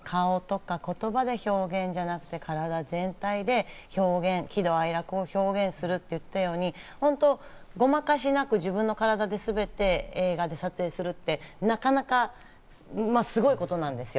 俳優って顔をとか言葉とかで表現じゃなくて、体全体で表現、喜怒哀楽を表現するということで、誤魔化しなく自分の体で全て映画を撮影するってなかなかすごいことなんですよ。